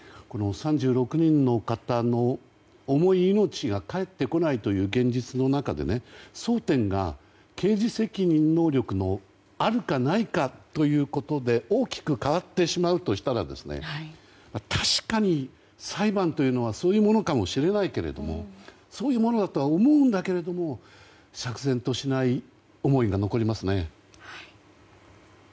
この３６人の方の重い命が帰ってこないという現実の中で争点が刑事責任能力があるかないかということで大きく変わってしまうとしたら確かに裁判というのはそういうものかもしれないけれどそういうものだとは思うんだけれども釈然としない思いが残りますね。